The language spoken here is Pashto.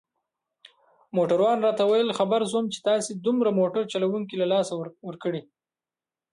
موټروان راته وویل: خبر شوم چي تاسي دوه موټر چلوونکي له لاسه ورکړي.